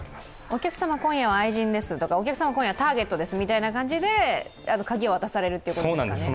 お客様今夜は愛人ですとかお客様今夜はターゲットですといって鍵を渡されるということですかね。